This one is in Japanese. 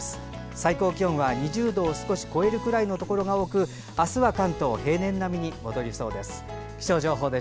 最高気温は２０度を少し超えるくらいのところが多く明日は関東平年並みに戻りそうです。